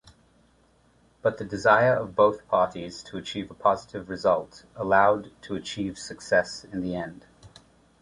But the desire of both parties to achieve a positive result allowed to achieve success in the end.